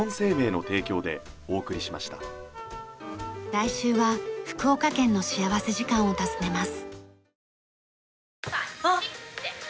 来週は福岡県の幸福時間を訪ねます。